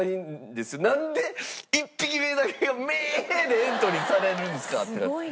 なんで１匹目だけメェでエントリーされるんですかってなって。